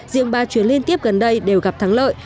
riêng ba chuyến liên tiếp gần đây đều gặp thắng lợi